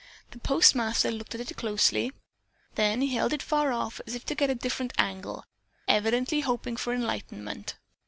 The postmaster looked at it closely. Then he held it far off to get a different angle, evidently hoping for enlightenment.